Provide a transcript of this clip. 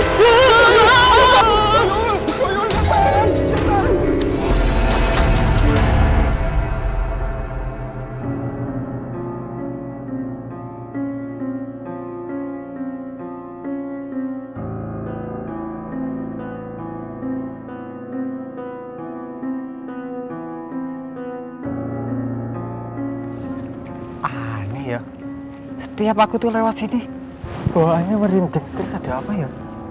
ini ya setiap aku lewat sini bawaannya merindeng terus ada apa ya